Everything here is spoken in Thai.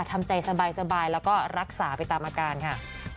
ทำใจสบายแล้วก็รักษาไปตามอาการค่ะ